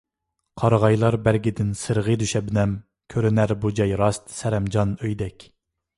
قارىغايلار بەرگىدىن سىرغىيدۇ شەبنەم، كۆرۈنەر بۇ جاي راست سەرەمجان ئۆيدەك.